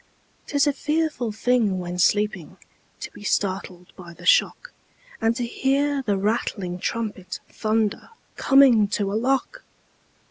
'Tis a fearful thing when sleeping To be startled by the shock, And to hear the rattling trumpet Thunder, "Coming to a lock!"